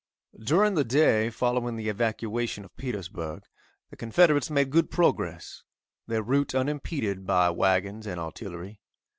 During the day following the evacuation of Petersburg the Confederates made good progress, their route unimpeded by wagons and artillery.